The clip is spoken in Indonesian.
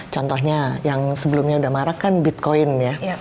contohnya yang sebelumnya udah marak kan bitcoin ya